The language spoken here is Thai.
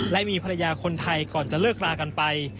และมีภรรยาคนไทยก่อนจะเลิกรากันไป